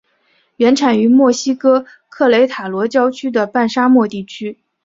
原产于墨西哥克雷塔罗郊区的半沙漠地区。